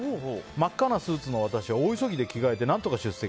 真っ赤なスーツの私は大急ぎで着替えて何とか出席。